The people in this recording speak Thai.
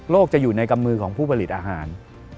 จะอยู่ในกำมือของผู้ผลิตอาหาร